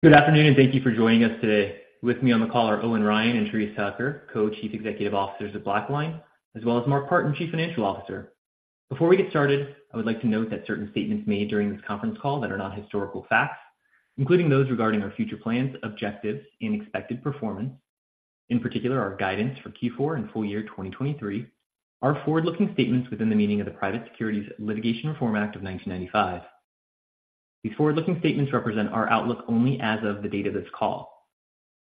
Good afternoon, and thank you for joining us today. With me on the call are Owen Ryan and Therese Tucker, Co-Chief Executive Officers of BlackLine, as well as Mark Partin, Chief Financial Officer. Before we get started, I would like to note that certain statements made during this conference call that are not historical facts, including those regarding our future plans, objectives, and expected performance, in particular, our guidance for Q4 and full year 2023, are forward-looking statements within the meaning of the Private Securities Litigation Reform Act of 1995. These forward-looking statements represent our outlook only as of the date of this call.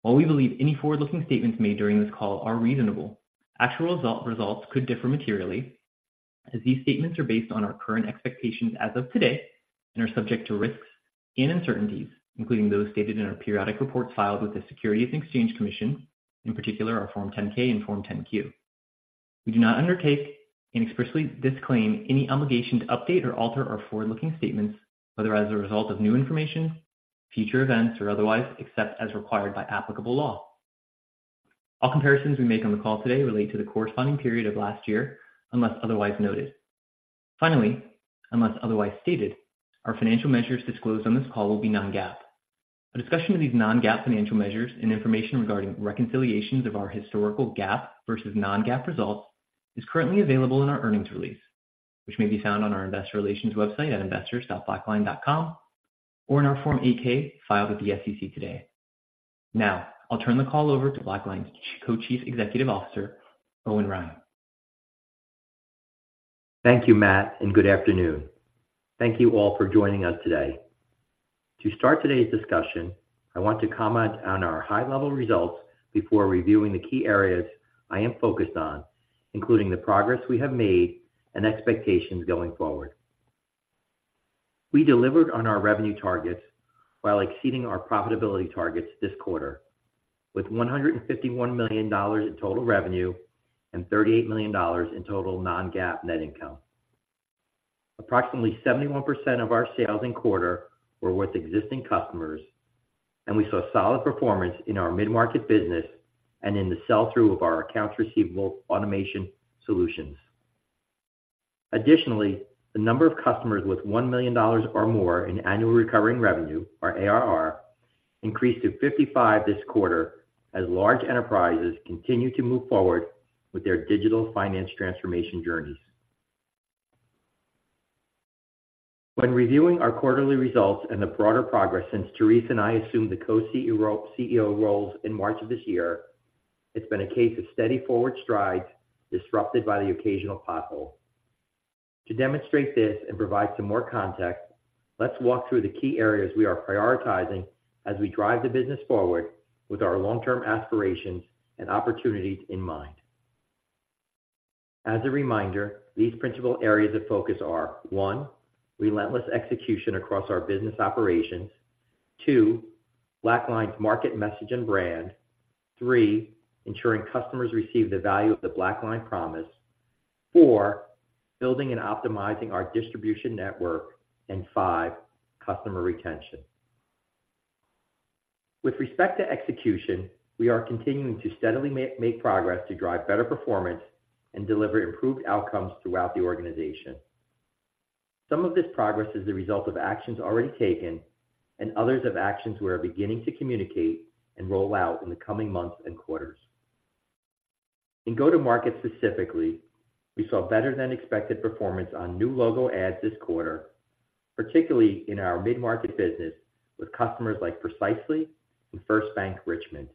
While we believe any forward-looking statements made during this call are reasonable, actual results could differ materially as these statements are based on our current expectations as of today and are subject to risks and uncertainties, including those stated in our periodic reports filed with the Securities and Exchange Commission, in particular, our Form 10-K and Form 10-Q. We do not undertake and expressly disclaim any obligation to update or alter our forward-looking statements, whether as a result of new information, future events, or otherwise, except as required by applicable law. All comparisons we make on the call today relate to the corresponding period of last year, unless otherwise noted. Finally, unless otherwise stated, our financial measures disclosed on this call will be non-GAAP. A discussion of these non-GAAP financial measures and information regarding reconciliations of our historical GAAP versus non-GAAP results is currently available in our earnings release, which may be found on our investor relations website at investors.blackline.com or in our Form 8-K filed with the SEC today. Now, I'll turn the call over to BlackLine's Co-Chief Executive Officer, Owen Ryan. Thank you, Matt, and good afternoon. Thank you all for joining us today. To start today's discussion, I want to comment on our high-level results before reviewing the key areas I am focused on, including the progress we have made and expectations going forward. We delivered on our revenue targets while exceeding our profitability targets this quarter, with $151 million in total revenue and $38 million in total non-GAAP net income. Approximately 71% of our sales in quarter were with existing customers, and we saw solid performance in our mid-market business and in the sell-through of our accounts receivable automation solutions. Additionally, the number of customers with $1 million or more in annual recurring revenue, or ARR, increased to 55 this quarter as large enterprises continue to move forward with their digital finance transformation journeys. When reviewing our quarterly results and the broader progress since Therese and I assumed the Co-CEO roles in March of this year, it's been a case of steady forward strides disrupted by the occasional pothole. To demonstrate this and provide some more context, let's walk through the key areas we are prioritizing as we drive the business forward with our long-term aspirations and opportunities in mind. As a reminder, these principal areas of focus are: One, relentless execution across our business operations. Two, BlackLine's market, message, and brand. Three, ensuring customers receive the value of the BlackLine promise. Four, building and optimizing our distribution network. And five, customer retention. With respect to execution, we are continuing to steadily make progress to drive better performance and deliver improved outcomes throughout the organization. Some of this progress is the result of actions already taken, and others of actions we are beginning to communicate and roll out in the coming months and quarters. In go-to-market specifically, we saw better-than-expected performance on new logo adds this quarter, particularly in our mid-market business with customers like Precisely and First Bank Richmond.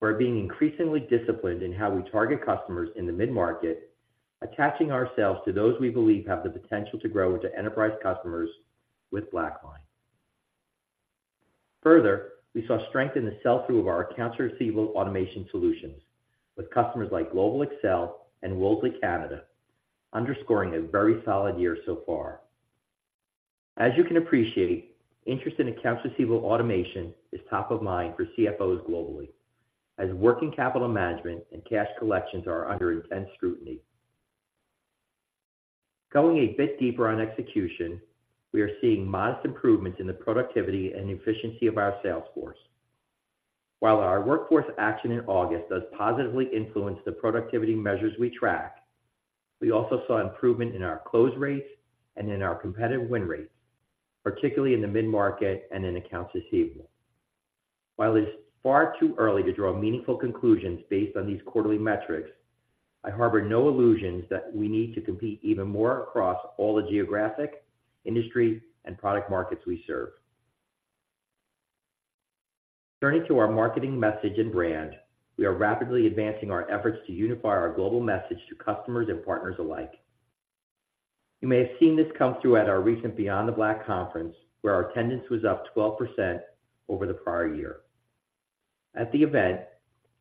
We're being increasingly disciplined in how we target customers in the mid-market, attaching ourselves to those we believe have the potential to grow into enterprise customers with BlackLine. Further, we saw strength in the sell-through of our accounts receivable automation solutions with customers like Global Excel and Wolseley Canada, underscoring a very solid year so far. As you can appreciate, interest in accounts receivable automation is top of mind for CFOs globally, as working capital management and cash collections are under intense scrutiny. Going a bit deeper on execution, we are seeing modest improvements in the productivity and efficiency of our sales force. While our workforce action in August does positively influence the productivity measures we track, we also saw improvement in our close rates and in our competitive win rates, particularly in the mid-market and in accounts receivable. While it's far too early to draw meaningful conclusions based on these quarterly metrics, I harbor no illusions that we need to compete even more across all the geographic, industry, and product markets we serve. Turning to our marketing message and brand, we are rapidly advancing our efforts to unify our global message to customers and partners alike. You may have seen this come through at our recent Beyond the Black conference, where our attendance was up 12% over the prior year. At the event,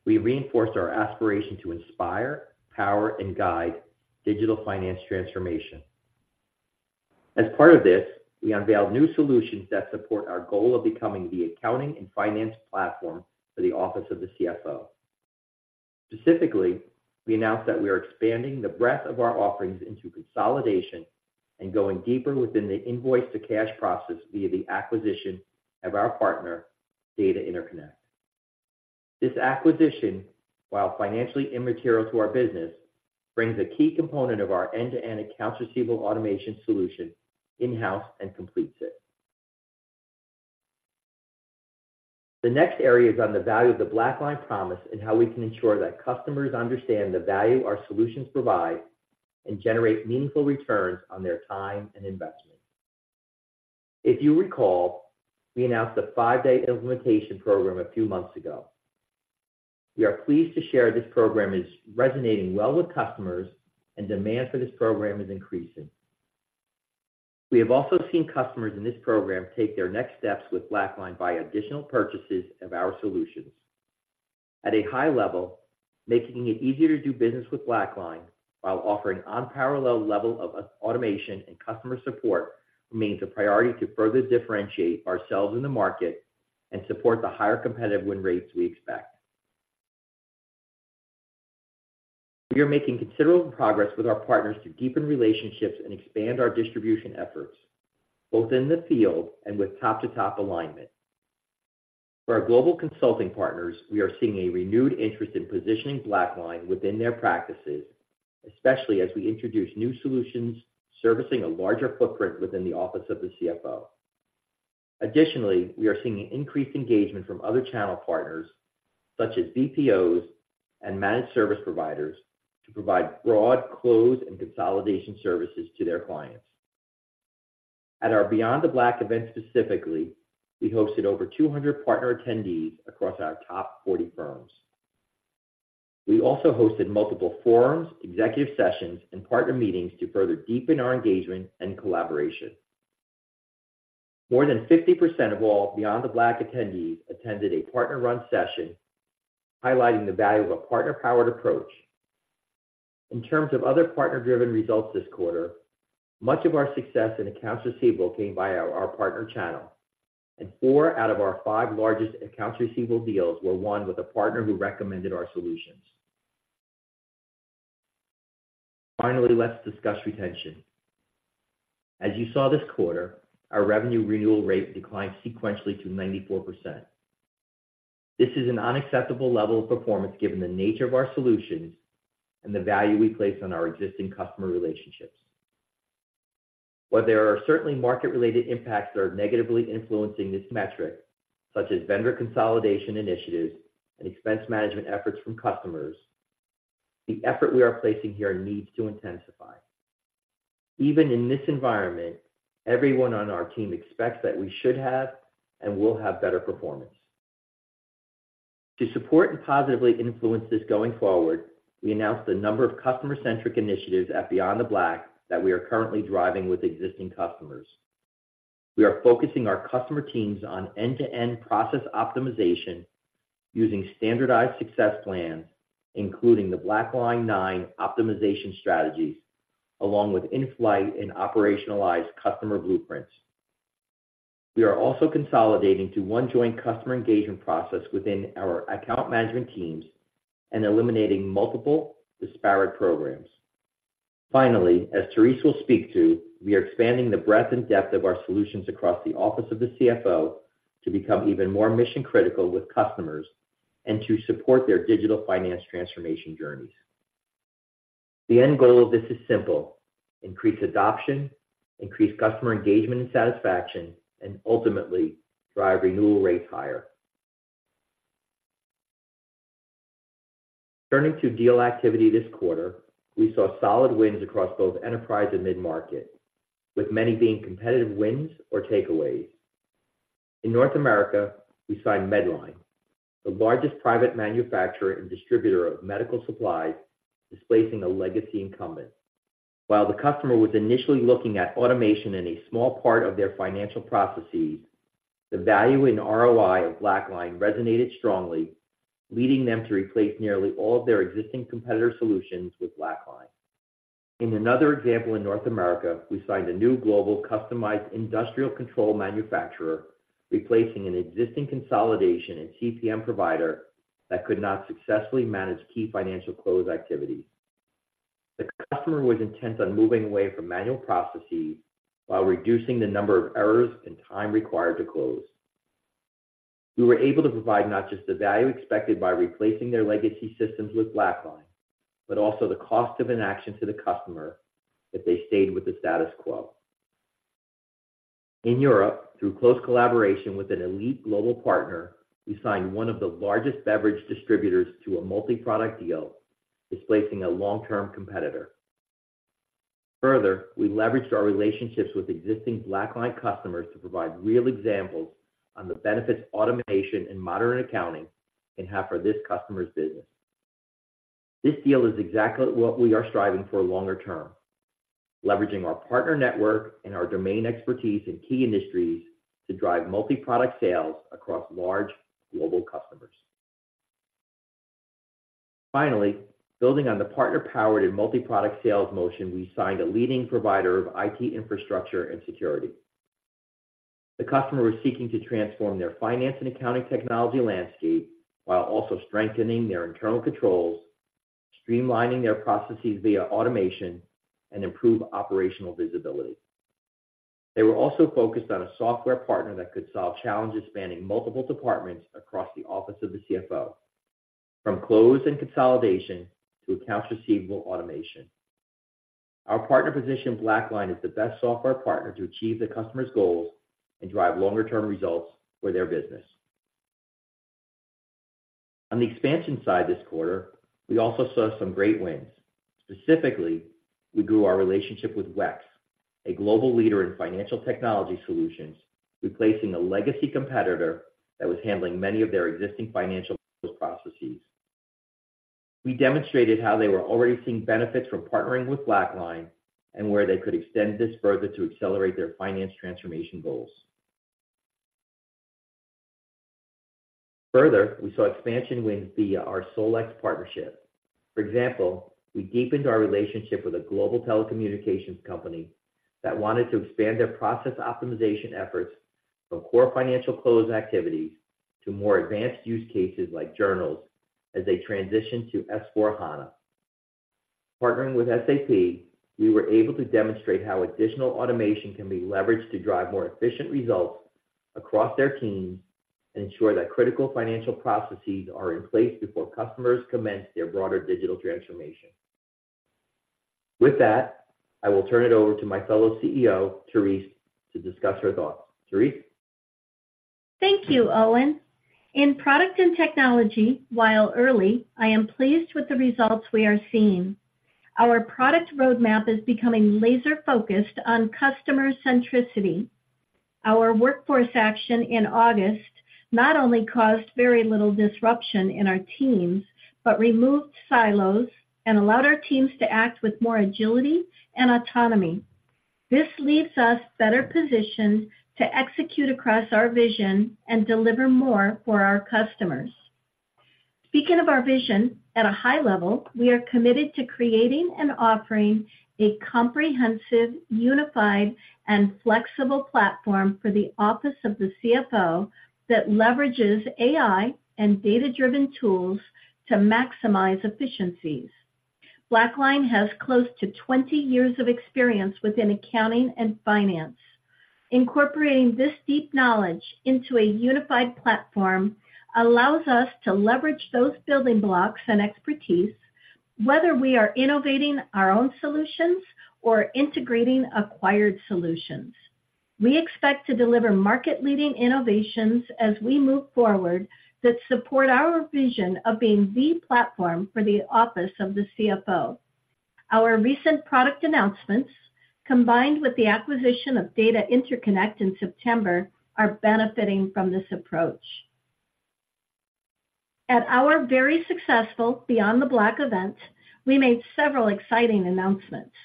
we reinforced our aspiration to inspire, power, and guide digital finance transformation. As part of this, we unveiled new solutions that support our goal of becoming the accounting and finance platform for the office of the CFO. Specifically, we announced that we are expanding the breadth of our offerings into consolidation and going deeper within the invoice-to-cash process via the acquisition of our partner, Data Interconnect. This acquisition, while financially immaterial to our business, brings a key component of our end-to-end accounts receivable automation solution in-house and completes it. The next area is on the value of the BlackLine promise and how we can ensure that customers understand the value our solutions provide and generate meaningful returns on their time and investment. If you recall, we announced a five-day implementation program a few months ago. We are pleased to share this program is resonating well with customers, and demand for this program is increasing. We have also seen customers in this program take their next steps with BlackLine by additional purchases of our solutions. At a high level, making it easier to do business with BlackLine while offering unparalleled level of automation and customer support, remains a priority to further differentiate ourselves in the market and support the higher competitive win rates we expect. We are making considerable progress with our partners to deepen relationships and expand our distribution efforts, both in the field and with top-to-top alignment. For our global consulting partners, we are seeing a renewed interest in positioning BlackLine within their practices, especially as we introduce new solutions, servicing a larger footprint within the office of the CFO. Additionally, we are seeing increased engagement from other channel partners, such as BPOs and managed service providers, to provide broad, close, and consolidation services to their clients. At our Beyond the Black event specifically, we hosted over 200 partner attendees across our top 40 firms. We also hosted multiple forums, executive sessions, and partner meetings to further deepen our engagement and collaboration. More than 50% of all Beyond the Black attendees attended a partner-run session, highlighting the value of a partner-powered approach. In terms of other partner-driven results this quarter, much of our success in accounts receivable came via our partner channel, and four out of our five largest accounts receivable deals were won with a partner who recommended our solutions. Finally, let's discuss retention. As you saw this quarter, our revenue renewal rate declined sequentially to 94%. This is an unacceptable level of performance given the nature of our solutions and the value we place on our existing customer relationships. While there are certainly market-related impacts that are negatively influencing this metric, such as vendor consolidation initiatives and expense management efforts from customers, the effort we are placing here needs to intensify. Even in this environment, everyone on our team expects that we should have and will have better performance. To support and positively influence this going forward, we announced a number of customer-centric initiatives at Beyond the Black, that we are currently driving with existing customers. We are focusing our customer teams on end-to-end process optimization using standardized success plans, including the BlackLine Nine optimization strategies, along with in-flight and operationalized customer blueprints. We are also consolidating to one joint customer engagement process within our account management teams and eliminating multiple disparate programs. Finally, as Therese will speak to, we are expanding the breadth and depth of our solutions across the office of the CFO to become even more mission-critical with customers and to support their digital finance transformation journeys. The end goal of this is simple: increase adoption, increase customer engagement and satisfaction, and ultimately, drive renewal rates higher. Turning to deal activity this quarter, we saw solid wins across both enterprise and mid-market, with many being competitive wins or takeaways. In North America, we signed Medline, the largest private manufacturer and distributor of medical supplies, displacing a legacy incumbent. While the customer was initially looking at automation in a small part of their financial processes, the value in ROI of BlackLine resonated strongly, leading them to replace nearly all of their existing competitor solutions with BlackLine. In another example, in North America, we signed a new global customized industrial control manufacturer, replacing an existing consolidation and CPM provider that could not successfully manage key financial close activities. The customer was intent on moving away from manual processes while reducing the number of errors and time required to close. We were able to provide not just the value expected by replacing their legacy systems with BlackLine, but also the cost of inaction to the customer if they stayed with the status quo. In Europe, through close collaboration with an elite global partner, we signed one of the largest beverage distributors to a multi-product deal, displacing a long-term competitor. Further, we leveraged our relationships with existing BlackLine customers to provide real examples on the benefits automation and modern accounting can have for this customer's business. This deal is exactly what we are striving for longer term, leveraging our partner network and our domain expertise in key industries to drive multi-product sales across large global customers. Finally, building on the partner-powered and multi-product sales motion, we signed a leading provider of IT infrastructure and security. The customer was seeking to transform their finance and accounting technology landscape, while also strengthening their internal controls, streamlining their processes via automation, and improve operational visibility. They were also focused on a software partner that could solve challenges spanning multiple departments across the office of the CFO, from close and consolidation to accounts receivable automation. Our partner positioned BlackLine as the best software partner to achieve the customer's goals and drive longer-term results for their business. On the expansion side this quarter, we also saw some great wins. Specifically, we grew our relationship with WEX, a global leader in financial technology solutions, replacing a legacy competitor that was handling many of their existing financial processes. We demonstrated how they were already seeing benefits from partnering with BlackLine, and where they could extend this further to accelerate their finance transformation goals. Further, we saw expansion wins via our SolEx partnership. For example, we deepened our relationship with a global telecommunications company that wanted to expand their process optimization efforts from core financial close activities to more advanced use cases like journals as they transition to S/4HANA. Partnering with SAP, we were able to demonstrate how additional automation can be leveraged to drive more efficient results across their teams and ensure that critical financial processes are in place before customers commence their broader digital transformation. With that, I will turn it over to my fellow CEO, Therese, to discuss her thoughts. Therese? Thank you, Owen. In product and technology, while early, I am pleased with the results we are seeing. Our product roadmap is becoming laser-focused on customer centricity. Our workforce action in August not only caused very little disruption in our teams, but removed silos and allowed our teams to act with more agility and autonomy. This leaves us better positioned to execute across our vision and deliver more for our customers. Speaking of our vision, at a high level, we are committed to creating and offering a comprehensive, unified, and flexible platform for the office of the CFO that leverages AI and data-driven tools to maximize efficiencies. BlackLine has close to 20 years of experience within accounting and finance. Incorporating this deep knowledge into a unified platform allows us to leverage those building blocks and expertise, whether we are innovating our own solutions or integrating acquired solutions. We expect to deliver market-leading innovations as we move forward that support our vision of being the platform for the office of the CFO. Our recent product announcements, combined with the acquisition of Data Interconnect in September, are benefiting from this approach. At our very successful Beyond the Black event, we made several exciting announcements.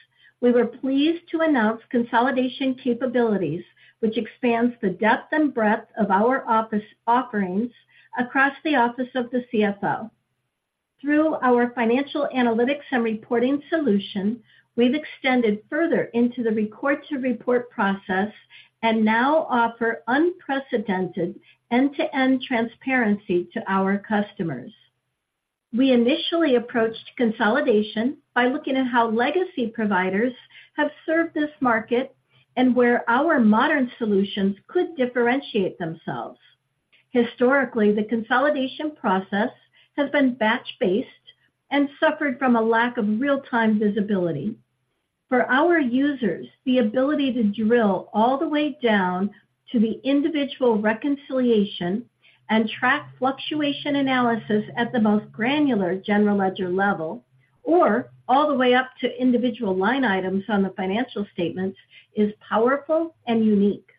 We were pleased to announce consolidation capabilities, which expands the depth and breadth of our office offerings across the office of the CFO. Through our financial analytics and reporting solution, we've extended further into the record-to-report process and now offer unprecedented end-to-end transparency to our customers. We initially approached consolidation by looking at how legacy providers have served this market and where our modern solutions could differentiate themselves. Historically, the consolidation process has been batch-based and suffered from a lack of real-time visibility. For our users, the ability to drill all the way down to the individual reconciliation and track fluctuation analysis at the most granular general ledger level, or all the way up to individual line items on the financial statements, is powerful and unique.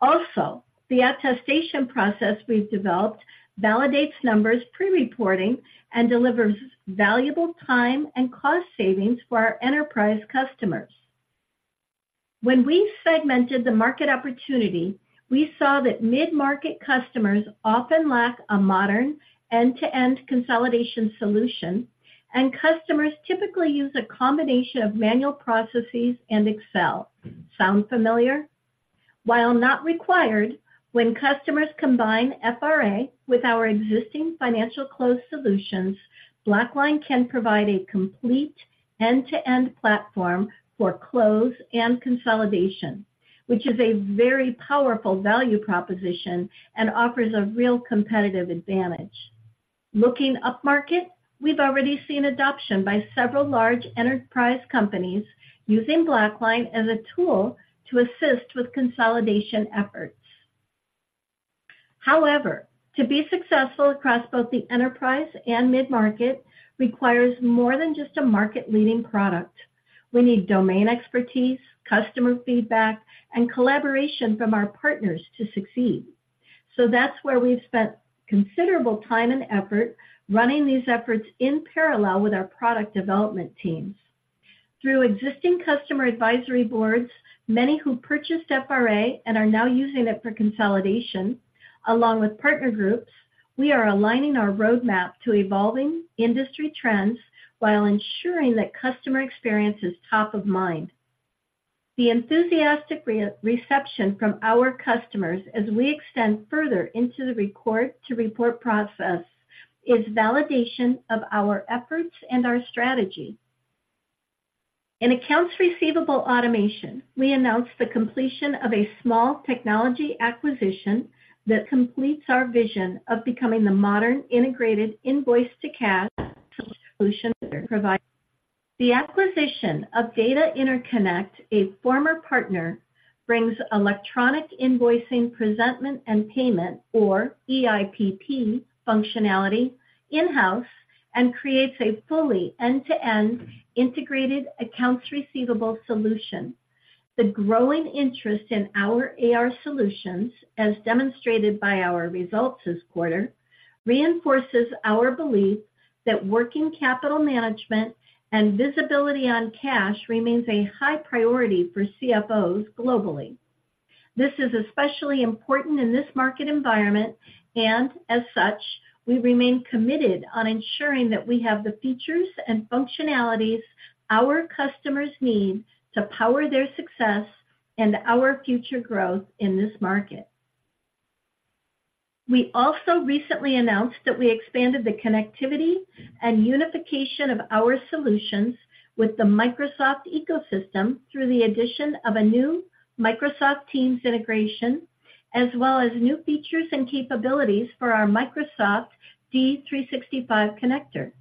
Also, the attestation process we've developed validates numbers pre-reporting and delivers valuable time and cost savings for our enterprise customers. When we segmented the market opportunity, we saw that mid-market customers often lack a modern, end-to-end consolidation solution, and customers typically use a combination of manual processes and Excel. Sound familiar? While not required, when customers combine FRA with our existing financial close solutions, BlackLine can provide a complete end-to-end platform for close and consolidation, which is a very powerful value proposition and offers a real competitive advantage. Looking upmarket, we've already seen adoption by several large enterprise companies using BlackLine as a tool to assist with consolidation efforts. However, to be successful across both the enterprise and mid-market requires more than just a market-leading product. We need domain expertise, customer feedback, and collaboration from our partners to succeed. So that's where we've spent considerable time and effort running these efforts in parallel with our product development teams. Through existing customer advisory boards, many who purchased FRA and are now using it for consolidation, along with partner groups, we are aligning our roadmap to evolving industry trends while ensuring that customer experience is top of mind. The enthusiastic reception from our customers as we extend further into the record-to-report process is validation of our efforts and our strategy. In accounts receivable automation, we announced the completion of a small technology acquisition that completes our vision of becoming the modern, integrated invoice-to-cash solution provider. The acquisition of Data Interconnect, a former partner, brings electronic invoicing, presentment, and payment, or EIPP, functionality in-house and creates a fully end-to-end integrated accounts receivable solution. The growing interest in our AR solutions, as demonstrated by our results this quarter, reinforces our belief that working capital management and visibility on cash remains a high priority for CFOs globally. This is especially important in this market environment, and as such, we remain committed on ensuring that we have the features and functionalities our customers need to power their success and our future growth in this market. We also recently announced that we expanded the connectivity and unification of our solutions with the Microsoft ecosystem through the addition of a new Microsoft Teams integration, as well as new features and capabilities for our Microsoft D365 connector.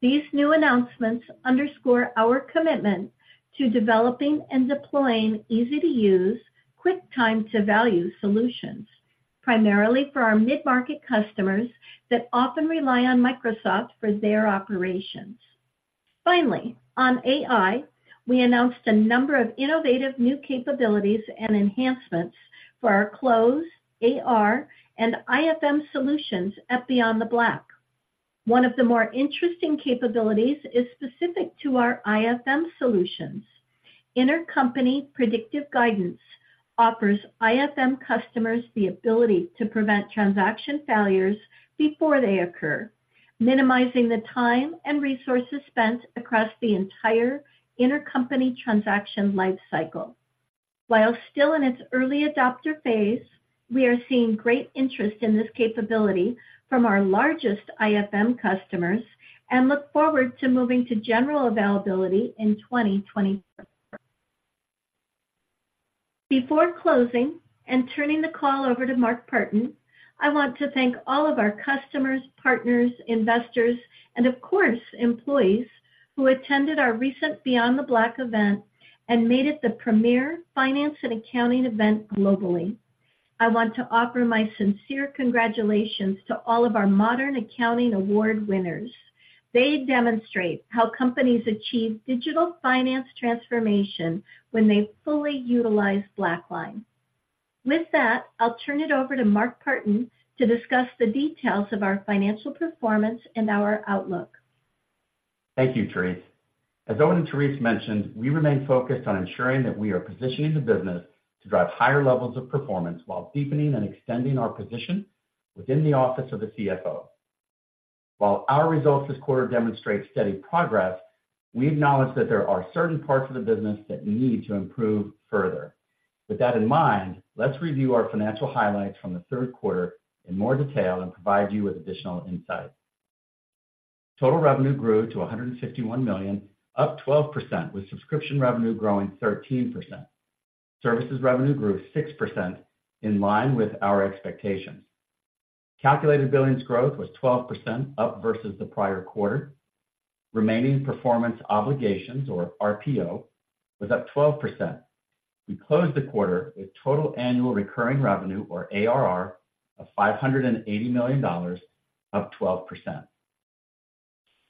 These new announcements underscore our commitment to developing and deploying easy-to-use, quick time to value solutions, primarily for our mid-market customers that often rely on Microsoft for their operations. Finally, on AI, we announced a number of innovative new capabilities and enhancements for our Close, AR, and IFM solutions at Beyond the Black. One of the more interesting capabilities is specific to our IFM solutions. Intercompany Predictive Guidance offers IFM customers the ability to prevent transaction failures before they occur, minimizing the time and resources spent across the entire intercompany transaction life cycle. While still in its early adopter phase, we are seeing great interest in this capability from our largest IFM customers and look forward to moving to general availability in 2020. Before closing and turning the call over to Mark Partin, I want to thank all of our customers, partners, investors, and of course, employees who attended our recent Beyond the Black event and made it the premier finance and accounting event globally. I want to offer my sincere congratulations to all of our Modern Accounting Award winners. They demonstrate how companies achieve digital finance transformation when they fully utilize BlackLine. With that, I'll turn it over to Mark Partin to discuss the details of our financial performance and our outlook. Thank you, Therese. As Owen and Therese mentioned, we remain focused on ensuring that we are positioning the business to drive higher levels of performance while deepening and extending our position within the office of the CFO. While our results this quarter demonstrate steady progress, we acknowledge that there are certain parts of the business that need to improve further. With that in mind, let's review our financial highlights from the third quarter in more detail and provide you with additional insight. Total revenue grew to $151 million, up 12%, with subscription revenue growing 13%. Services revenue grew 6% in line with our expectations. Calculated billings growth was 12% up versus the prior quarter. Remaining performance obligations, or RPO, was up 12%. We closed the quarter with total annual recurring revenue, or ARR, of $580 million, up 12%.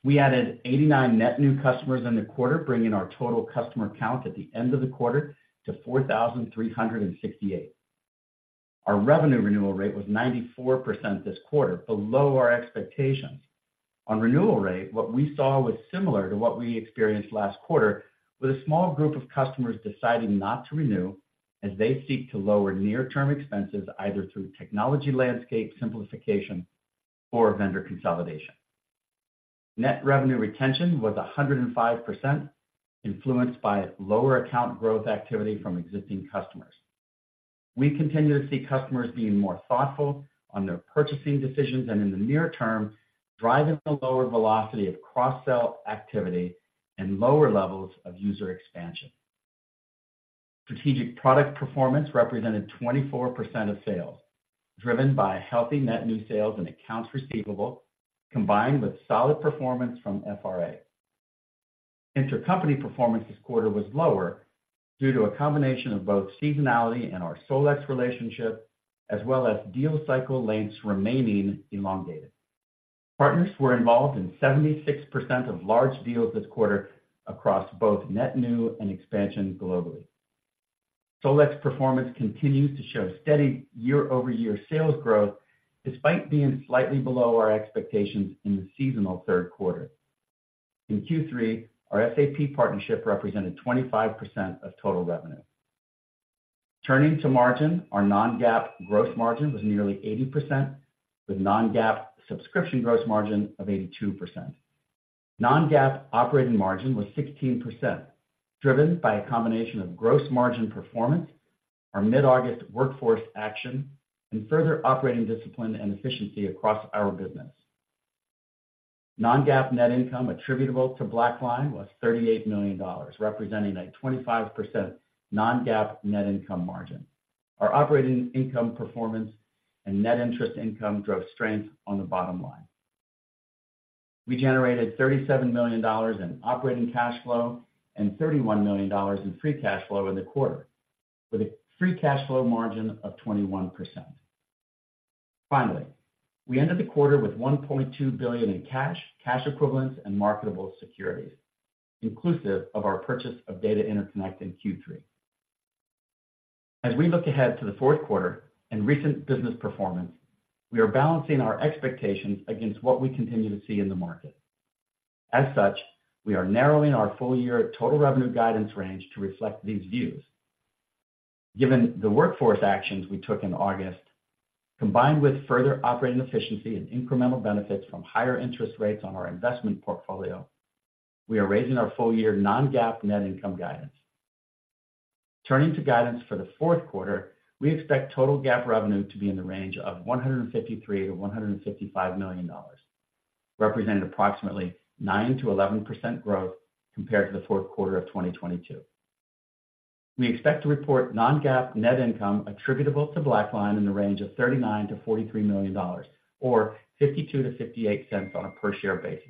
We added 89 net new customers in the quarter, bringing our total customer count at the end of the quarter to 4,368. Our revenue renewal rate was 94% this quarter, below our expectations. On renewal rate, what we saw was similar to what we experienced last quarter, with a small group of customers deciding not to renew as they seek to lower near-term expenses, either through technology landscape simplification or vendor consolidation. Net revenue retention was 105%, influenced by lower account growth activity from existing customers. We continue to see customers being more thoughtful on their purchasing decisions and in the near term, driving the lower velocity of cross-sell activity and lower levels of user expansion. Strategic product performance represented 24% of sales, driven by healthy net new sales and accounts receivable, combined with solid performance from FRA. Intercompany performance this quarter was lower due to a combination of both seasonality and our SolEx relationship, as well as deal cycle lengths remaining elongated. Partners were involved in 76% of large deals this quarter across both net new and expansion globally. SolEx performance continues to show steady year-over-year sales growth, despite being slightly below our expectations in the seasonal third quarter. In Q3, our SAP partnership represented 25% of total revenue. Turning to margin, our non-GAAP gross margin was nearly 80%, with non-GAAP subscription gross margin of 82%. Non-GAAP operating margin was 16%, driven by a combination of gross margin performance, our mid-August workforce action, and further operating discipline and efficiency across our business. Non-GAAP net income attributable to BlackLine was $38 million, representing a 25% non-GAAP net income margin. Our operating income performance and net interest income drove strength on the bottom line. We generated $37 million in operating cash flow and $31 million in free cash flow in the quarter, with a free cash flow margin of 21%. Finally, we ended the quarter with $1.2 billion in cash, cash equivalents, and marketable securities, inclusive of our purchase of Data Interconnect in Q3. As we look ahead to the fourth quarter and recent business performance, we are balancing our expectations against what we continue to see in the market. As such, we are narrowing our full-year total revenue guidance range to reflect these views. Given the workforce actions we took in August, combined with further operating efficiency and incremental benefits from higher interest rates on our investment portfolio, we are raising our full-year non-GAAP net income guidance. Turning to guidance for the fourth quarter, we expect total GAAP revenue to be in the range of $153 million-$155 million, representing approximately 9%-11% growth compared to the fourth quarter of 2022. We expect to report non-GAAP net income attributable to BlackLine in the range of $39 million-$43 million, or $0.52-$0.58 on a per share basis.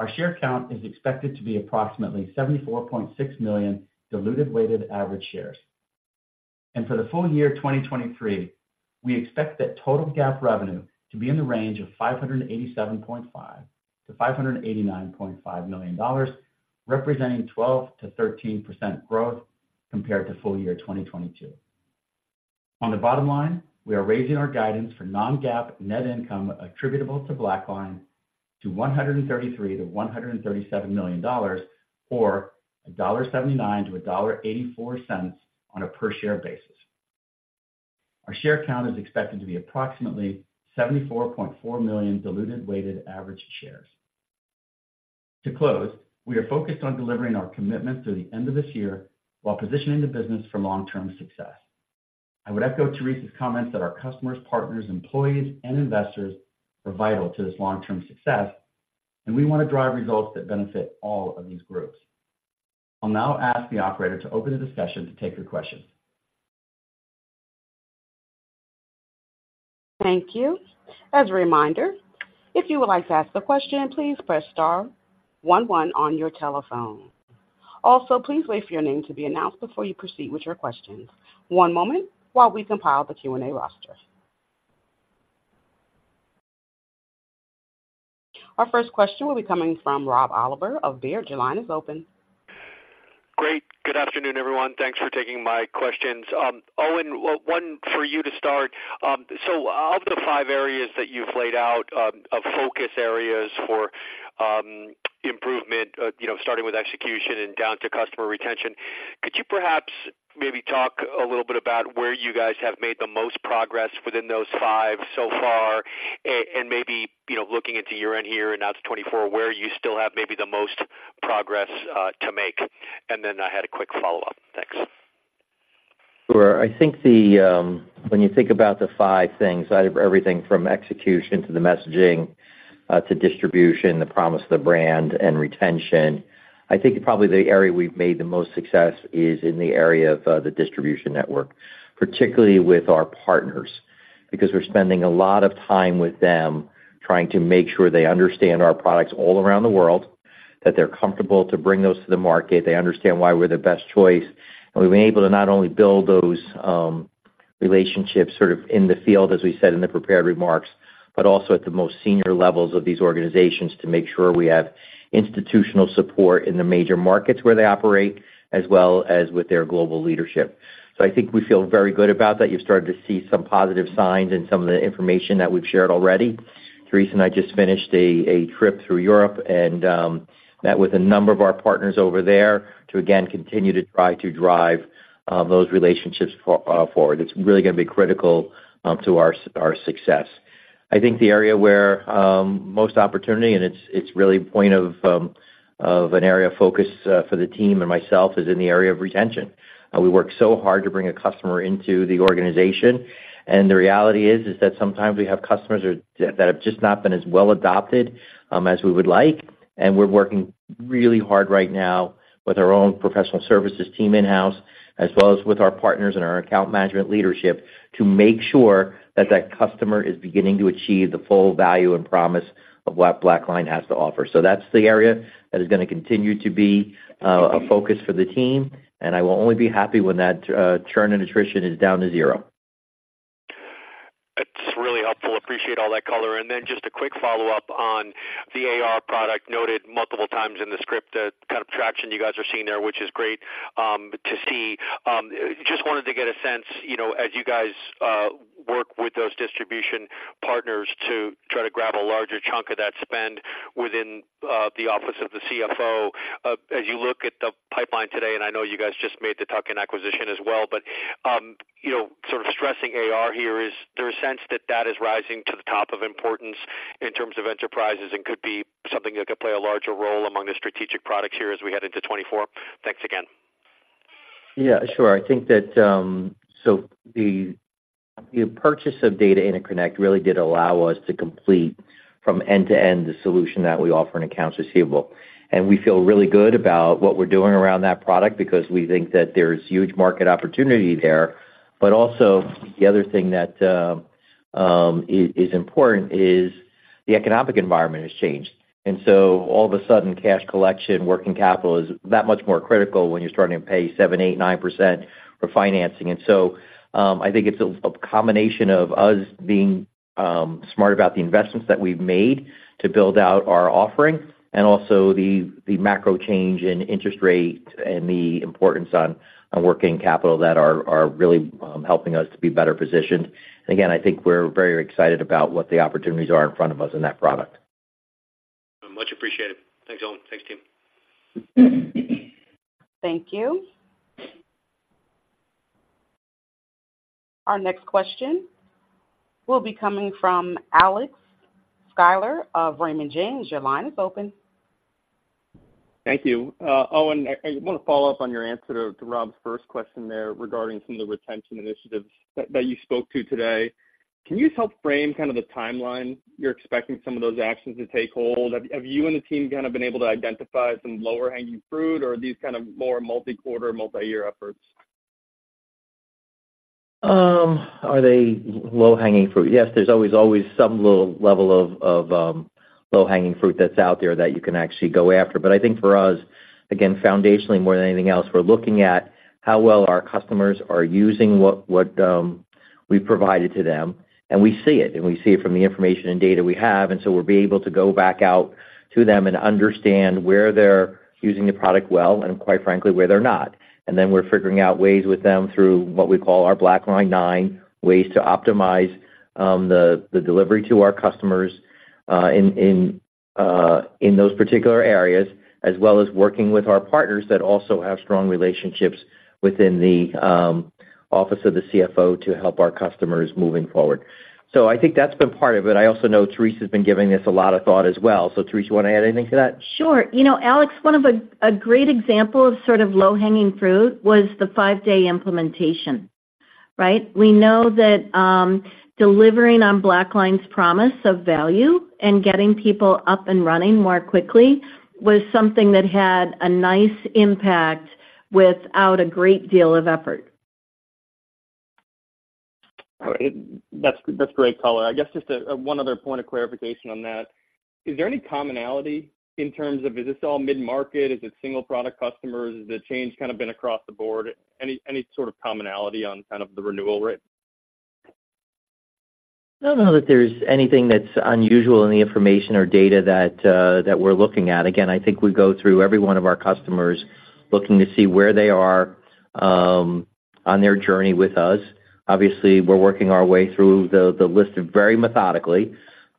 Our share count is expected to be approximately 74.6 million diluted weighted average shares. For the full year 2023, we expect that total GAAP revenue to be in the range of $587.5 million-$589.5 million, representing 12%-13% growth compared to full year 2022. On the bottom line, we are raising our guidance for non-GAAP net income attributable to BlackLine to $133 million-$137 million, or $1.79-$1.84 on a per share basis. Our share count is expected to be approximately 74.4 million diluted weighted average shares. To close, we are focused on delivering our commitment through the end of this year while positioning the business for long-term success. I would echo Therese's comments that our customers, partners, employees, and investors are vital to this long-term success, and we want to drive results that benefit all of these groups. I'll now ask the operator to open the discussion to take your questions. Thank you. As a reminder, if you would like to ask a question, please press star one one on your telephone. Also, please wait for your name to be announced before you proceed with your questions. One moment while we compile the Q&A roster. Our first question will be coming from Rob Oliver of Baird. Your line is open. Great. Good afternoon, everyone. Thanks for taking my questions. Owen, one for you to start. So of the five areas that you've laid out, of focus areas for, improvement, you know, starting with execution and down to customer retention, could you perhaps maybe talk a little bit about where you guys have made the most progress within those five so far, and maybe, you know, looking into year-end here and out to 2024, where you still have maybe the most progress, to make? And then I had a quick follow-up. Thanks. Sure. I think when you think about the five things, out of everything from execution to the messaging, to distribution, the promise of the brand and retention, I think probably the area we've made the most success is in the area of the distribution network, particularly with our partners, because we're spending a lot of time with them trying to make sure they understand our products all around the world, that they're comfortable to bring those to the market, they understand why we're the best choice. And we've been able to not only build those relationships sort of in the field, as we said in the prepared remarks, but also at the most senior levels of these organizations to make sure we have institutional support in the major markets where they operate, as well as with their global leadership. So I think we feel very good about that. You've started to see some positive signs in some of the information that we've shared already. Therese and I just finished a trip through Europe and met with a number of our partners over there to again continue to try to drive those relationships forward. It's really going to be critical to our success. I think the area where most opportunity, and it's really a point of an area of focus for the team and myself, is in the area of retention. We work so hard to bring a customer into the organization, and the reality is that sometimes we have customers that have just not been as well adopted as we would like, and we're working really hard right now with our own professional services team in-house, as well as with our partners and our account management leadership, to make sure that that customer is beginning to achieve the full value and promise of what BlackLine has to offer. So that's the area that is going to continue to be a focus for the team, and I will only be happy when that churn and attrition is down to zero. That's really helpful. Appreciate all that color. Then just a quick follow-up on the AR product, noted multiple times in the script, the kind of traction you guys are seeing there, which is great to see. Just wanted to get a sense, you know, as you guys work with those distribution partners to try to grab a larger chunk of that spend within the office of the CFO. As you look at the pipeline today, and I know you guys just made the tuck-in acquisition as well, but you know, sort of stressing AR here, is there a sense that that is rising to the top of importance in terms of enterprises and could be something that could play a larger role among the strategic products here as we head into 2024? Thanks again. Yeah, sure. I think that, so the purchase of Data Interconnect really did allow us to complete from end to end the solution that we offer in accounts receivable. And we feel really good about what we're doing around that product because we think that there's huge market opportunity there. But also, the other thing that is important is the economic environment has changed. And so all of a sudden, cash collection, working capital is that much more critical when you're starting to pay 7%, 8%, 9% for financing. And so, I think it's a combination of us being smart about the investments that we've made to build out our offering and also the macro change in interest rate and the importance on working capital that are really helping us to be better positioned. Again, I think we're very excited about what the opportunities are in front of us in that product. Much appreciated. Thanks, Owen. Thanks, team. Thank you. Our next question will be coming from Alex Sklar of Raymond James. Your line is open. Thank you. Owen, I wanna follow up on your answer to Rob's first question there regarding some of the retention initiatives that you spoke to today. Can you just help frame kind of the timeline you're expecting some of those actions to take hold? Have you and the team kinda been able to identify some low-hanging fruit, or are these kind of more multi-quarter, multi-year efforts? Are they low-hanging fruit? Yes, there's always, always some little level of low-hanging fruit that's out there that you can actually go after. But I think for us, again, foundationally, more than anything else, we're looking at how well our customers are using what we've provided to them, and we see it, and we see it from the information and data we have. And so we'll be able to go back out to them and understand where they're using the product well, and quite frankly, where they're not. And then we're figuring out ways with them through what we call our BlackLine nine, ways to optimize the delivery to our customers in those particular areas, as well as working with our partners that also have strong relationships within the office of the CFO to help our customers moving forward. So I think that's been part of it. I also know Therese's been giving this a lot of thought as well. So, Therese, you wanna add anything to that? Sure. You know, Alex, one of a great example of sort of low-hanging fruit was the five-day implementation, right? We know that, delivering on BlackLine's promise of value and getting people up and running more quickly was something that had a nice impact without a great deal of effort. All right. That's, that's great color. I guess just, one other point of clarification on that. Is there any commonality in terms of, is this all mid-market? Is it single product customers? Has the change kind of been across the board? Any, any sort of commonality on kind of the renewal rate? I don't know that there's anything that's unusual in the information or data that that we're looking at. Again, I think we go through every one of our customers looking to see where they are on their journey with us. Obviously, we're working our way through the list very methodically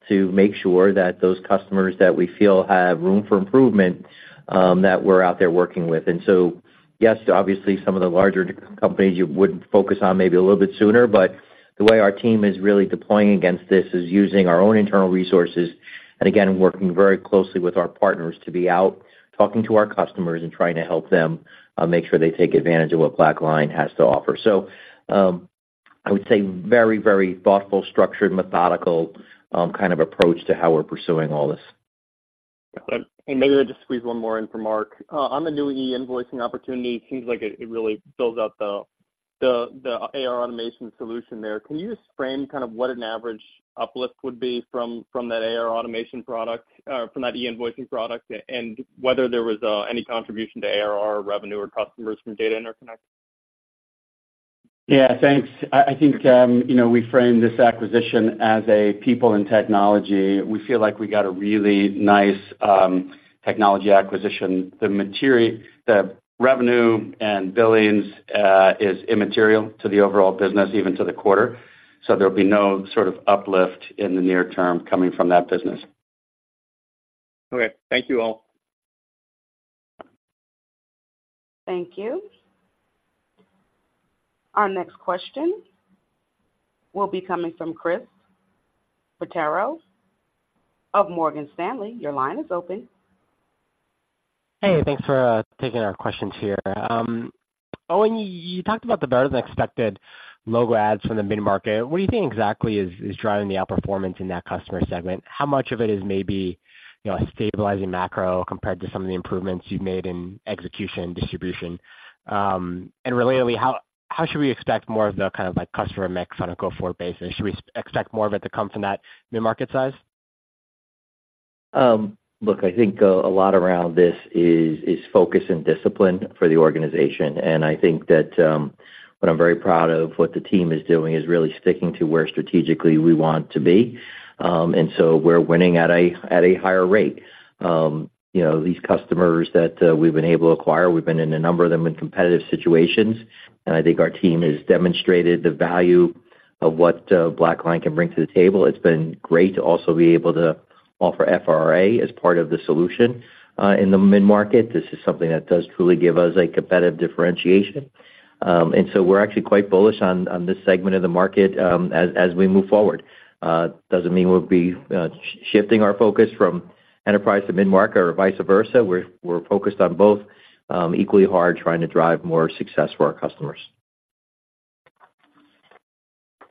to make sure that those customers that we feel have room for improvement that we're out there working with. And so, yes, obviously, some of the larger companies you would focus on maybe a little bit sooner, but the way our team is really deploying against this is using our own internal resources, and again, working very closely with our partners to be out, talking to our customers and trying to help them make sure they take advantage of what BlackLine has to offer. So, I would say very, very thoughtful, structured, methodical, kind of approach to how we're pursuing all this. Okay. And maybe I'll just squeeze one more in for Mark. On the new e-invoicing opportunity, it seems like it really builds out the AR automation solution there. Can you just frame kind of what an average uplift would be from that AR automation product, from that e-invoicing product, and whether there was any contribution to ARR revenue or customers from Data Interconnect? Yeah, thanks. I think, you know, we framed this acquisition as a people in technology. We feel like we got a really nice technology acquisition. The revenue and billings is immaterial to the overall business, even to the quarter, so there'll be no sort of uplift in the near term coming from that business. Okay. Thank you all. Thank you. Our next question will be coming from Chris Quintero of Morgan Stanley. Your line is open. Hey, thanks for taking our questions here. Owen, you talked about the better-than-expected logo adds from the mid-market. What do you think exactly is driving the outperformance in that customer segment? How much of it is maybe, you know, a stabilizing macro compared to some of the improvements you've made in execution and distribution? And relatedly, how should we expect more of the kind of, like, customer mix on a go-forward basis? Should we expect more of it to come from that mid-market size? Look, I think a lot around this is focus and discipline for the organization, and I think that what I'm very proud of, what the team is doing, is really sticking to where strategically we want to be. And so we're winning at a higher rate. You know, these customers that we've been able to acquire, we've been in a number of them in competitive situations, and I think our team has demonstrated the value of what BlackLine can bring to the table. It's been great to also be able to offer FRA as part of the solution in the mid-market. This is something that does truly give us a competitive differentiation. And so we're actually quite bullish on this segment of the market as we move forward. Doesn't mean we'll be shifting our focus from enterprise to mid-market or vice versa. We're focused on both equally hard, trying to drive more success for our customers.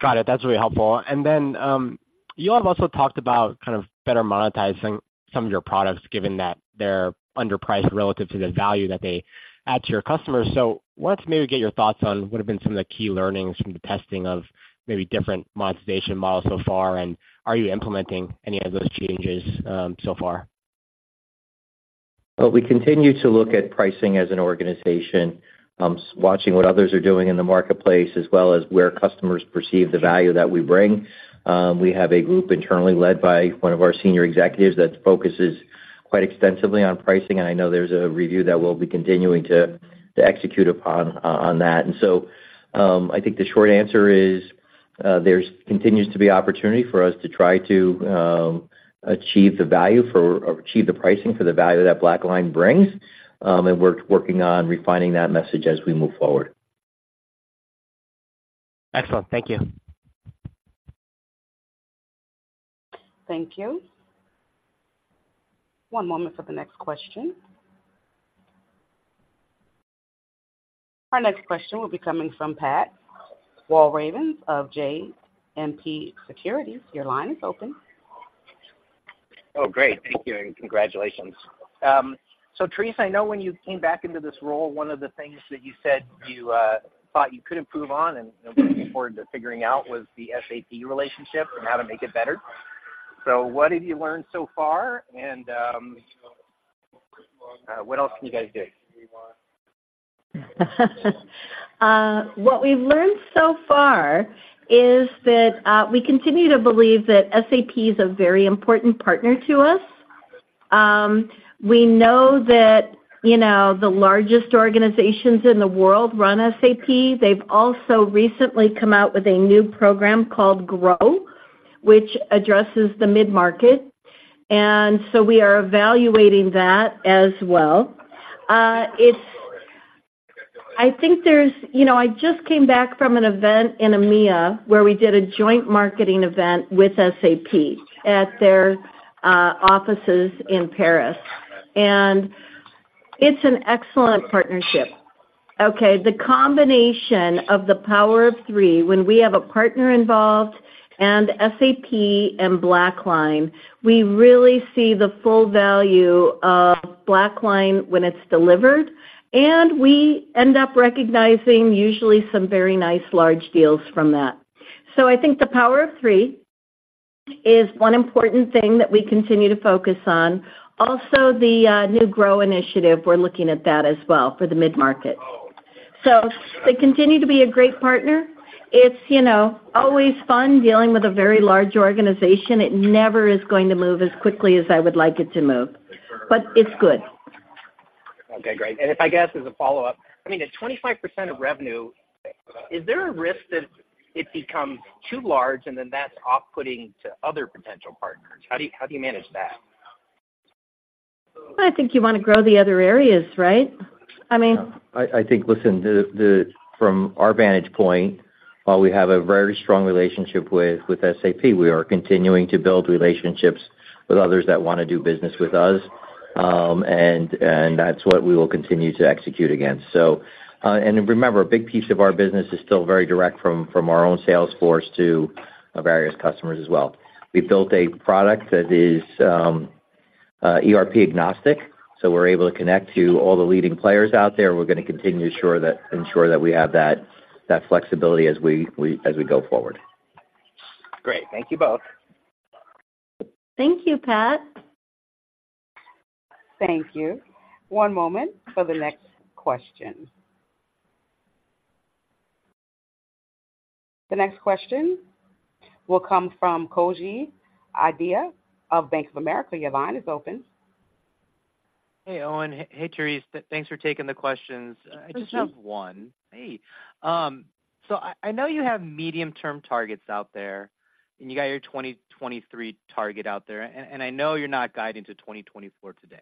Got it. That's really helpful. And then, you all have also talked about kind of better monetizing some of your products, given that they're underpriced relative to the value that they add to your customers. So wanted to maybe get your thoughts on what have been some of the key learnings from the testing of maybe different monetization models so far, and are you implementing any of those changes, so far? Well, we continue to look at pricing as an organization, watching what others are doing in the marketplace, as well as where customers perceive the value that we bring. We have a group internally led by one of our senior executives that focuses quite extensively on pricing, and I know there's a review that we'll be continuing to execute upon that. And so, I think the short answer is, there's continues to be opportunity for us to try to achieve the value for, or achieve the pricing for the value that BlackLine brings, and we're working on refining that message as we move forward. Excellent. Thank you. Thank you. One moment for the next question. Our next question will be coming from Pat Walravens of JMP Securities. Your line is open. Oh, great. Thank you, and congratulations. So Therese, I know when you came back into this role, one of the things that you said you thought you could improve on and looking forward to figuring out was the SAP relationship and how to make it better. So what have you learned so far, and what else can you guys do? What we've learned so far is that we continue to believe that SAP is a very important partner to us. We know that, you know, the largest organizations in the world run SAP. They've also recently come out with a new program called GROW, which addresses the mid-market, and so we are evaluating that as well. It's. I think there's... You know, I just came back from an event in EMEA, where we did a joint marketing event with SAP at their offices in Paris, and it's an excellent partnership. Okay, the combination of the power of three, when we have a partner involved and SAP and BlackLine, we really see the full value of BlackLine when it's delivered, and we end up recognizing usually some very nice large deals from that. So I think the power of three is one important thing that we continue to focus on. Also, the new GROW initiative, we're looking at that as well for the mid-market. So they continue to be a great partner. It's, you know, always fun dealing with a very large organization. It never is going to move as quickly as I would like it to move, but it's good. Okay, great. And if I guess as a follow-up, I mean, at 25% of revenue, is there a risk that it becomes too large and then that's off-putting to other potential partners? How do you, how do you manage that? I think you want to grow the other areas, right? I mean- I think, from our vantage point, while we have a very strong relationship with SAP, we are continuing to build relationships with others that wanna do business with us. And that's what we will continue to execute against. So. And remember, a big piece of our business is still very direct from our own sales force to our various customers as well. We've built a product that is ERP agnostic, so we're able to connect to all the leading players out there. We're gonna continue to assure that, ensure that we have that flexibility as we go forward. Great. Thank you both. Thank you, Pat. Thank you. One moment for the next question. The next question will come from Koji Ikeda of Bank of America. Your line is open. Hey, Owen. Hey, Therese. Thanks for taking the questions. Hi, Koji. I just have one. Hey, so I know you have medium-term targets out there, and you got your 2023 target out there, and I know you're not guiding to 2024 today.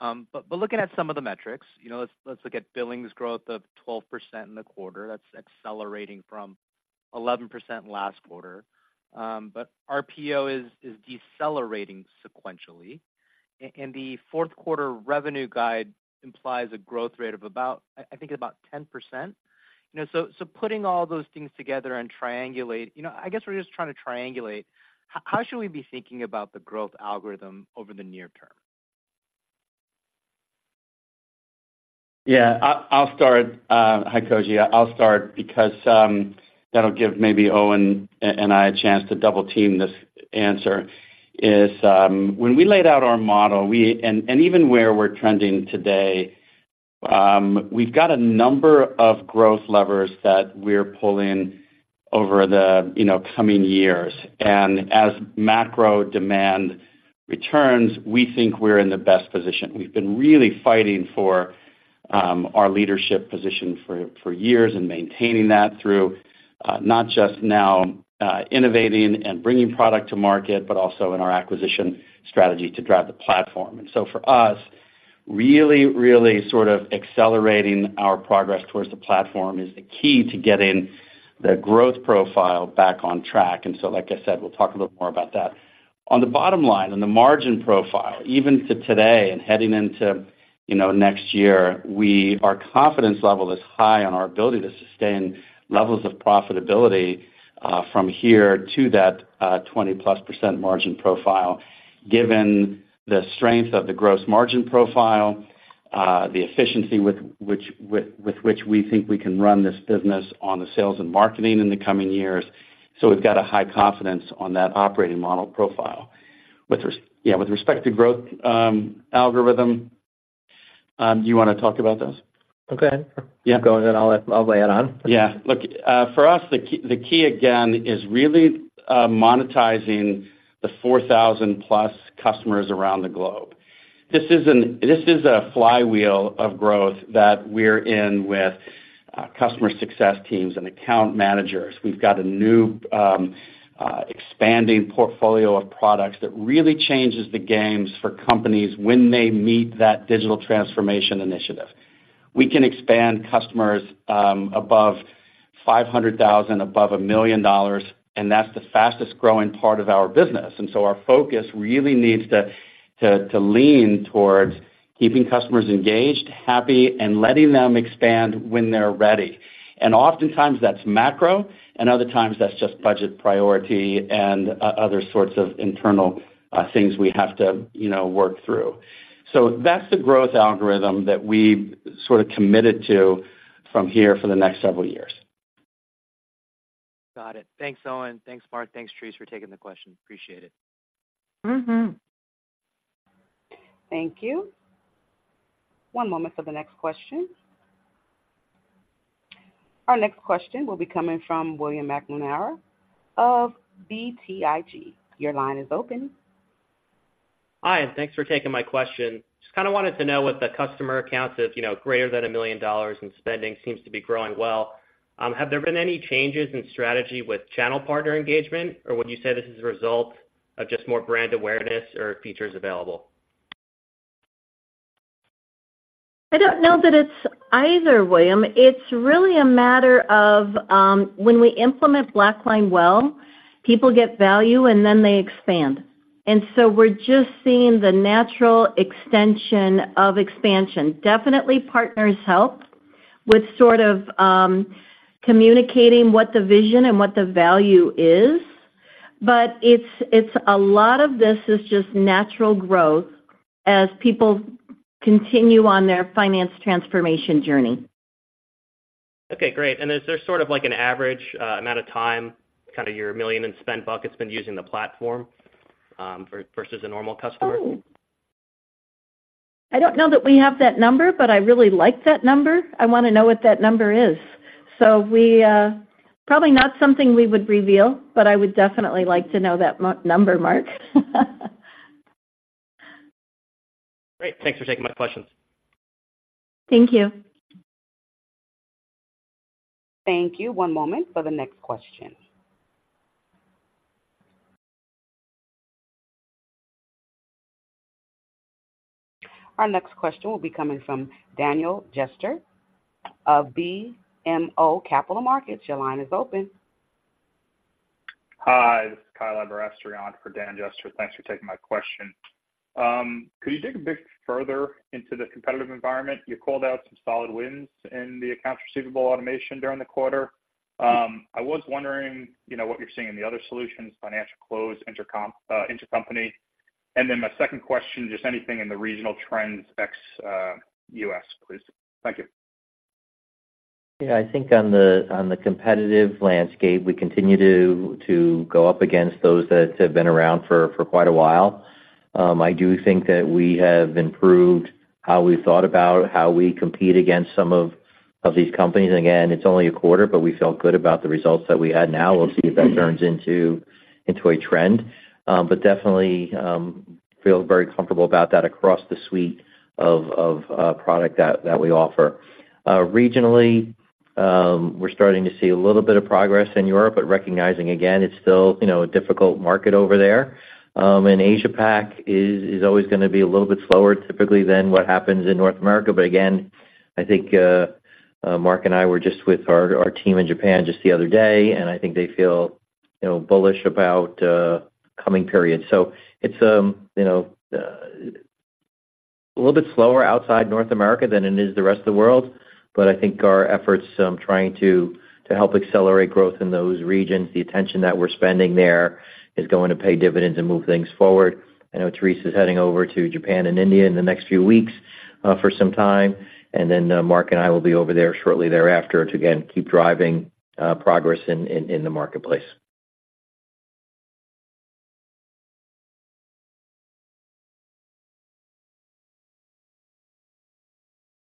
But looking at some of the metrics, you know, let's look at billings growth of 12% in the quarter. That's accelerating from 11% last quarter. But RPO is decelerating sequentially, and the fourth quarter revenue guide implies a growth rate of about, I think, about 10%. You know, so putting all those things together. You know, I guess we're just trying to triangulate, how should we be thinking about the growth algorithm over the near term? Yeah, I'll start. Hi, Koji. I'll start because that'll give maybe Owen and I a chance to double-team this answer, is when we laid out our model, and even where we're trending today, we've got a number of growth levers that we're pulling over the, you know, coming years. And as macro demand returns, we think we're in the best position. We've been really fighting for our leadership position for years and maintaining that through not just now innovating and bringing product to market, but also in our acquisition strategy to drive the platform. And so for us-... Really, really sort of accelerating our progress towards the platform is the key to getting the growth profile back on track. And so, like I said, we'll talk a little more about that. On the bottom line, on the margin profile, even to today and heading into, you know, next year, our confidence level is high on our ability to sustain levels of profitability from here to that 20%+ margin profile. Given the strength of the gross margin profile, the efficiency with which we think we can run this business on the sales and marketing in the coming years. So we've got a high confidence on that operating model profile. With yeah, with respect to growth algorithm, do you wanna talk about this? Go ahead. Yeah. Go ahead, I'll add, I'll add on. Yeah. Look, for us, the key, the key again, is really monetizing the 4,000+ customers around the globe. This is a flywheel of growth that we're in with customer success teams and account managers. We've got a new expanding portfolio of products that really changes the games for companies when they meet that digital transformation initiative. We can expand customers above $500,000, above $1 million, and that's the fastest growing part of our business. And so our focus really needs to lean towards keeping customers engaged, happy, and letting them expand when they're ready. And oftentimes, that's macro, and other times that's just budget priority and other sorts of internal things we have to, you know, work through. That's the growth algorithm that we've sort of committed to from here for the next several years. Got it. Thanks, Owen. Thanks, Mark. Thanks, Therese, for taking the question. Appreciate it. Mm-hmm. Thank you. One moment for the next question. Our next question will be coming from William McNamara of BTIG. Your line is open. Hi, and thanks for taking my question. Just kinda wanted to know what the customer accounts is, you know, greater than $1 million, and spending seems to be growing well. Have there been any changes in strategy with channel partner engagement? Or would you say this is a result of just more brand awareness or features available? I don't know that it's either, William. It's really a matter of, when we implement BlackLine well, people get value, and then they expand. And so we're just seeing the natural extension of expansion. Definitely, partners help with sort of, communicating what the vision and what the value is, but it's, it's a lot of this is just natural growth as people continue on their finance transformation journey. Okay, great. And is there sort of like an average amount of time, kinda your million in spend buckets been using the platform, versus a normal customer? Oh! I don't know that we have that number, but I really like that number. I wanna know what that number is. So we probably not something we would reveal, but I would definitely like to know that number, Mark. Great. Thanks for taking my questions. Thank you. Thank you. One moment for the next question. Our next question will be coming from Daniel Jester of BMO Capital Markets. Your line is open. Hi, this is Kyle Aberasturi on for Dan Jester. Thanks for taking my question. Could you dig a bit further into the competitive environment? You called out some solid wins in the accounts receivable automation during the quarter. I was wondering, you know, what you're seeing in the other solutions, financial close, intercompany. And then my second question, just anything in the regional trends ex-US, please. Thank you. Yeah, I think on the competitive landscape, we continue to go up against those that have been around for quite a while. I do think that we have improved how we thought about how we compete against some of these companies. Again, it's only a quarter, but we feel good about the results that we had. Now, we'll see if that turns into a trend. But definitely, feel very comfortable about that across the suite of product that we offer. Regionally, we're starting to see a little bit of progress in Europe, but recognizing again, it's still, you know, a difficult market over there. And Asia-Pac is always gonna be a little bit slower typically than what happens in North America. But again, I think, Mark and I were just with our team in Japan just the other day, and I think they feel, you know, bullish about coming periods. So it's, you know, a little bit slower outside North America than it is the rest of the world, but I think our efforts, trying to help accelerate growth in those regions, the attention that we're spending there, is going to pay dividends and move things forward. I know Therese is heading over to Japan and India in the next few weeks, for some time, and then, Mark and I will be over there shortly thereafter to again, keep driving progress in the marketplace.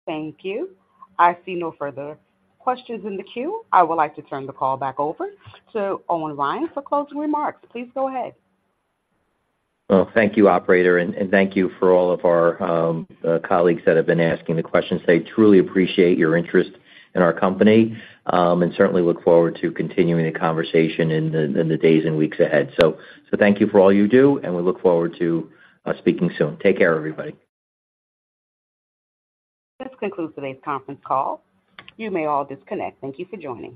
Thank you. I see no further questions in the queue. I would like to turn the call back over to Owen Ryan for closing remarks. Please go ahead. Well, thank you, operator, and thank you for all of our colleagues that have been asking the questions. I truly appreciate your interest in our company, and certainly look forward to continuing the conversation in the days and weeks ahead. So, thank you for all you do, and we look forward to speaking soon. Take care, everybody. This concludes today's conference call. You may all disconnect. Thank you for joining.